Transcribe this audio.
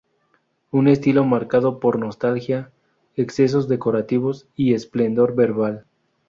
Un estilo marcado por nostalgia, excesos decorativos y esplendor verbal.